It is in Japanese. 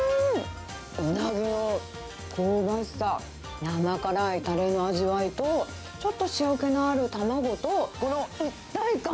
ウナギの香ばしさ、甘辛いたれの味わいと、ちょっと塩気のある卵と、この一体感。